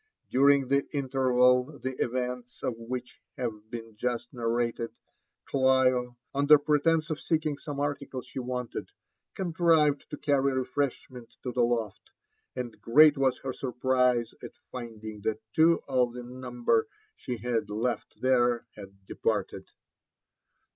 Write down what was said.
During the interval the events of which have been just narrated, Olio, under pretence of seeing some article she wanted, contrived to carry refreshment to the loft ; and great was her surprise at finding that two of the number she had left there had departed.